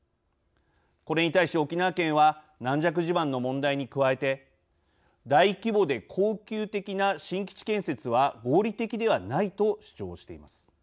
これに対し沖縄県は軟弱地盤の問題に加えて「大規模で恒久的な新基地建設は合理的ではない」と主張しています。